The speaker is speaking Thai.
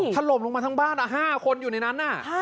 ทะลมลงมาทั้งบ้านห้าคนอยู่ในนั้นนะ